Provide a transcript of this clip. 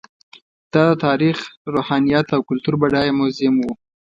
دا د تاریخ، روحانیت او کلتور بډایه موزیم و.